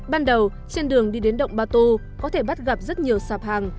ban đầu trên đường đi đến động batu có thể bắt gặp rất nhiều sạp hàng